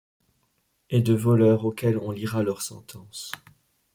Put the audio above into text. Et de voleurs auxquels on lira leur sentence.